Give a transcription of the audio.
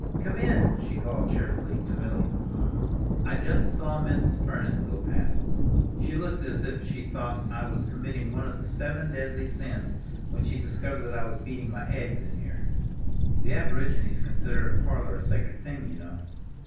"Come in," she called cheerfully to Milly. "I just saw Mrs. Furniss go past; she looked as if she thought I was committing one of the seven deadly sins when she discovered that I was beating my eggs in here. The aborigines consider a parlor a sacred thing, you know.